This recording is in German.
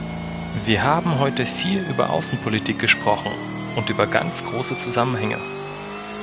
Wir haben heute viel über Außenpolitik gesprochen und über ganz große Zusammenhänge.